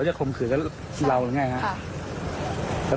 โดดลงรถหรือยังไงครับ